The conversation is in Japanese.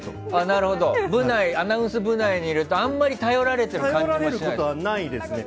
なるほどアナウンス部内にいるとあまり頼られてる感じはしないですか？